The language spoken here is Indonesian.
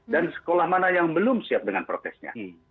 dan sekolah mana yang belum siap dengan prokesnya